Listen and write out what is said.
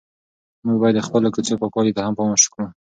موږ باید د خپلو کوڅو پاکوالي ته هم پام وکړو.